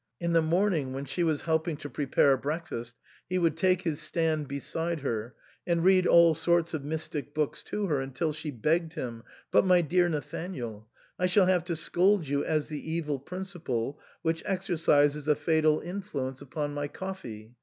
In the morning, when she was helping to prepare breakfast, he would take his stand beside her, and read all sorts of mystic books to her, until she begged him —" But, my dear Na thanael, I shall have to scold you as the Evil Principle which exercises a fatal influence upon my coffee.